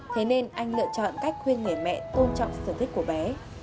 thế nên anh lựa chọn cách khuyên nghề mẹ tôn trọng sự thích của bé